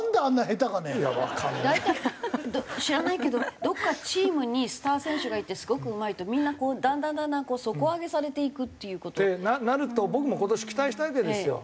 大体知らないけどどこかチームにスター選手がいてすごくうまいとみんなこうだんだんだんだん底上げされていくっていう事に。ってなると僕も今年期待したわけですよ。